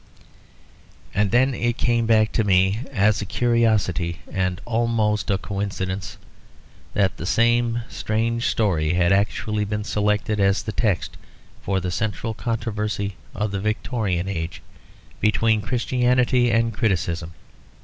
And then it came back to me, as a curiosity and almost a coincidence, that the same strange story had actually been selected as the text for the central controversy of the Victorian Age between Christianity and criticism.